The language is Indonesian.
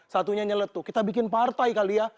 satunya nyelet tuh kita bikin partai kali ya